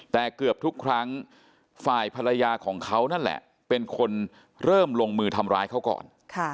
แต่เกือบทุกครั้งฝ่ายภรรยาของเขานั่นแหละเป็นคนเริ่มลงมือทำร้ายเขาก่อน